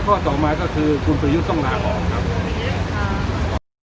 ออกมาก็คือคุณผู้ยุ่งต้องหาของครับ